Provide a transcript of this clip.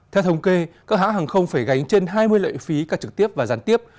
theo thống kê các hãng hàng không phải gánh trên hai mươi lệ phí cả trực tiếp và gián tiếp